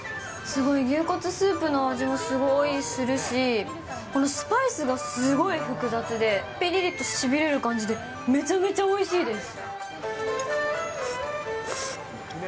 すごい牛骨スープの味がすごいするし、このスパイスがすごい複雑で、ぴりりとしびれる感じで、めちゃめちゃおいしいです。